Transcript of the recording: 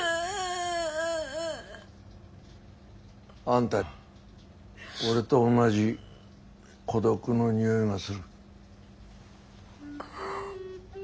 あんた俺と同じ孤独のにおいがする。